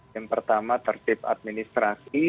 yang pertama tertib administrasi